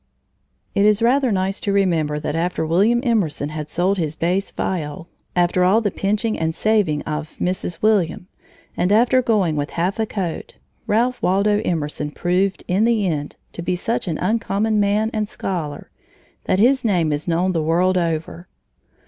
_] It is rather nice to remember that after William Emerson had sold his bass viol, after all the pinching and saving of Mrs. William, and after going with half a coat, Ralph Waldo Emerson proved, in the end, to be such an uncommon man and scholar that his name is known the world over.